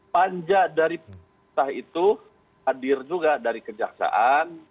panja dari pemerintah itu hadir juga dari kejaksaan